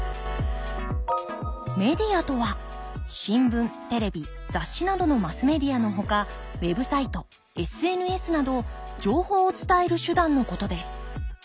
メディアとは新聞テレビ雑誌などのマスメディアのほかウェブサイトＳＮＳなど情報を伝える手段のことです。